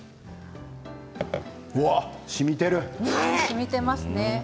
しみていますね。